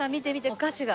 お菓子が。